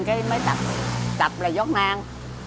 cái mới tập là giót nang